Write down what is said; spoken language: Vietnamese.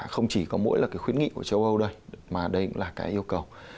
không chỉ có mỗi là cái khuyến nghị của châu âu đây mà đây cũng là cái yêu cầu